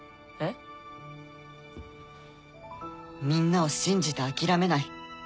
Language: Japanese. みんなを信じて諦めない。